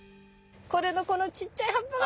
これのこのちっちゃい葉っぱがそうだ。